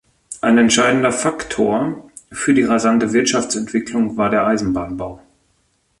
Ein entscheidender Faktor für die rasante Wirtschaftsentwicklung war der Eisenbahnbau.